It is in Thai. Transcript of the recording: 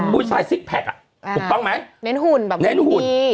ผู้ชายซิกแพ็กอ่ะถูกต้องไหมแนนหุ่นแนนหุ่น